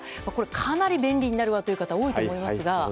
かなり便利になるわという方多いと思いますが。